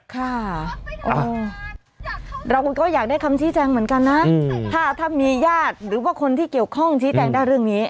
ค่ะเราก็อยากได้คำชี้แจงเหมือนกันนะถ้ามีญาติหรือว่าคนที่เกี่ยวข้องชี้แจงได้เรื่องนี้